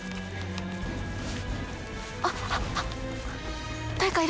あっ。